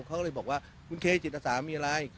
เขาเลยบอกว่าคุณเคจิตศาสตร์มีอะไร